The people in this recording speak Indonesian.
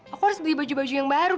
aku harus beli baju baju yang baru